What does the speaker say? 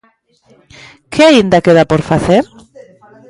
¿Que aínda queda por facer?